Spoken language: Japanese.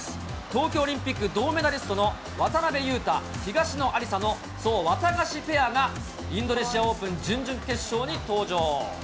東京オリンピック銅メダリストの渡辺勇大・東野有紗のそう、ワタガシペアが、インドネシアオープン準々決勝に登場。